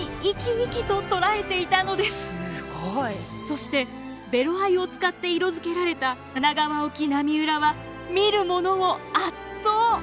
そしてベロ藍を使って色づけられた「神奈川沖浪裏」は見る者を圧倒。